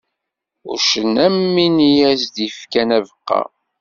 Uccen am win i as-d-yefkan abeqqa.